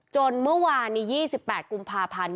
จนเมื่อวานนี้๒๘กุมภาพันธ์